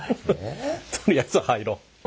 とりあえず入ろう。